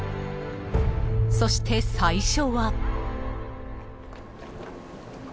［そして最初は］